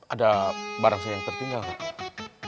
ada barang saya yang tertinggal pak